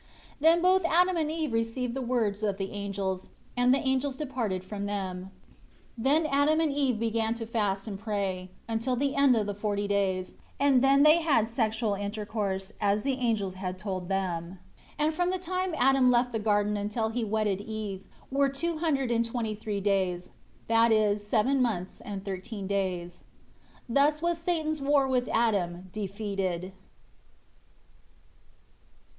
7 Then both Adam and Eve received the words of the angels; and the angels departed from them. 8 Then Adam and Eve began to fast and pray, until the end of the forty days; and then they had sexual intercourse, as the angels had told them. And from the time Adam left the garden until he wedded Eve, were two hundred and twenty three days, that is seven months and thirteen days. 9 Thus was Satan's war with Adam defeated.